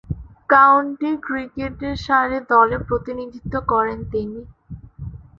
County ক্রিকেটে Surrey দলে প্রতিনিধিত্ব করেন তিনি।